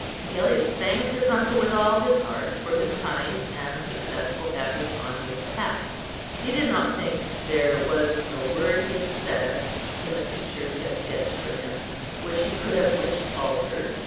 Agellius thanked his uncle with all his heart for his kind and successful efforts on his behalf; he did not think there was a word he had said, in the future he had sketched for him, which he could have wished altered.